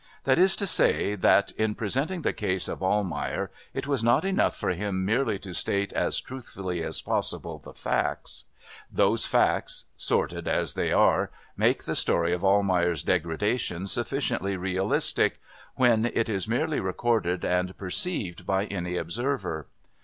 That is to say that, in presenting the case of Almayer, it was not enough for him merely to state as truthfully as possible the facts. Those facts, sordid as they are, make the story of Almayer's degradation sufficiently realistic, when it is merely recorded and perceived by any observer.